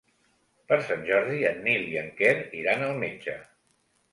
Per Sant Jordi en Nil i en Quer iran al metge.